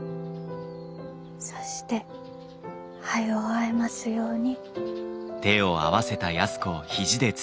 そして早う会えますように。